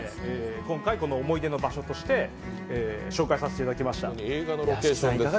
今回、この思い出の場所として紹介させていただきました。